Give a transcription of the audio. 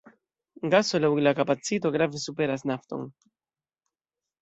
Gaso laŭ la kapacito grave superas nafton.